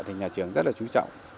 thì nhà trường rất là trú trọng